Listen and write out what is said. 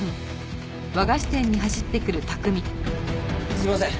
すいません。